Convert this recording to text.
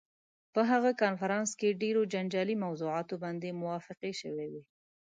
په هغه کنفرانس کې ډېرو جنجالي موضوعاتو باندې موافقې شوې وې.